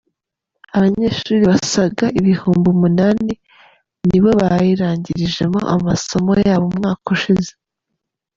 Abanyeshuri basaga ibihumbi umunani nibo bayirangijemo amasomo yabo umwaka ushize.